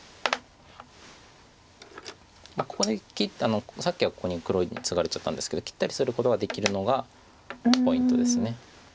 ここでさっきはここに黒にツガれちゃったんですけど切ったりすることができるのがポイントです。